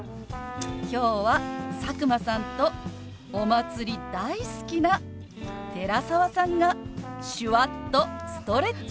今日は佐久間さんとお祭り大好きな寺澤さんが手話っとストレッチ！